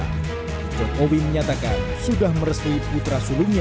sebelumnya jokowi menyatakan sudah meresui putra sulungnya